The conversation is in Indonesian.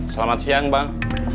selamat siang bang